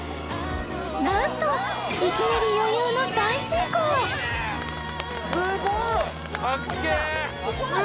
なんといきなり余裕の大成功すごい！